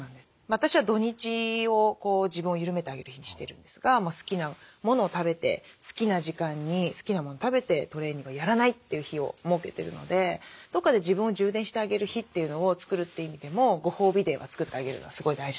私は土日を自分を緩めてあげる日にしてるんですが好きなものを食べて好きな時間に好きなもの食べてトレーニングをやらないという日を設けてるのでどこかで自分を充電してあげる日というのを作るって意味でもご褒美デーは作ってあげるのはすごい大事なことです。